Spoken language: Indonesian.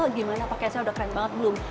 gimana pake saya udah keren banget belum